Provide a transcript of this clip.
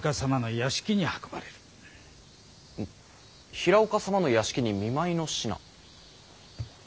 平岡様の屋敷に見舞いの品？